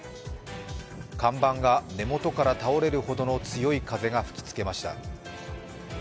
看板が根元から倒れるほどの強い風が吹きつけました。